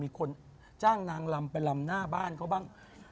มีคนนางลำไปลำงานหน้าบ้าน